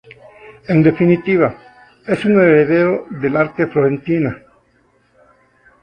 En definitiva, es un heredero del arte florentina.